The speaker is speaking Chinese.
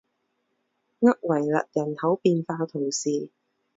厄维勒人口变化图示